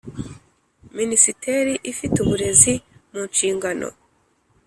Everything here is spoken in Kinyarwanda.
Minisiteri ifite uburezi mu nshingano